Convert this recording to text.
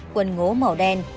quần ngố màu đen